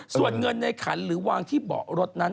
ส่วนเงินในขันหรือวางที่เบาะรถนั้น